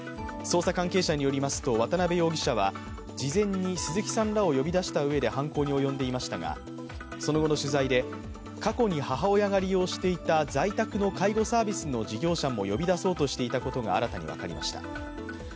捜査関係者によりますと渡辺容疑者は事前に、鈴木さんらを呼び出したうえで犯行に及んでいましたがその後の取材で過去に母親が利用していた在宅の介護サービスの事業者も呼び出そうとしていたことが新たに分かりました。